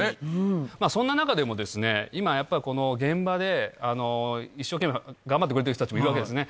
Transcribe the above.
そんな中でも今やっぱり、この現場で、一生懸命頑張ってくれてる人たちもいるわけですね。